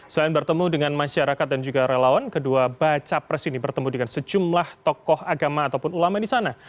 selain bertemu dengan masyarakat dan juga relawan kedua baca pres ini bertemu dengan sejumlah tokoh agama ataupun ulama di sana